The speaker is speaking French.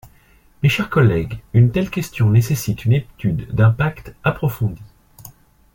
Mes chers collègues, une telle question nécessite une étude d’impact approfondie.